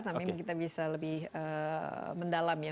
tapi kita bisa lebih mendalam ya